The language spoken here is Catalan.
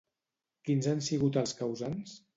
Quins han sigut els causants?